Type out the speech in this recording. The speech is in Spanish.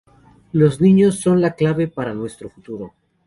Los niños son la clave para nuestro futuro.